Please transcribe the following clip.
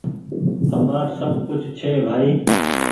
همآر سب ڪڇه ڇي ڀآئي